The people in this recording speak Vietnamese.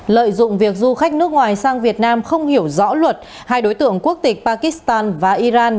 lợi dụng việc du khách nước ngoài sang việt nam không hiểu rõ luật hai đối tượng quốc tịch pakistan và iran